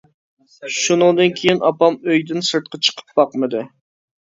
شۇنىڭدىن كېيىن، ئاپام ئۆيىدىن سىرتقا چىقىپ باقمىدى.